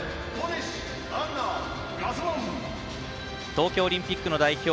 東京オリンピックの代表。